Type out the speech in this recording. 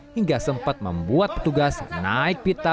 hingga sempat membuat petugas naik pita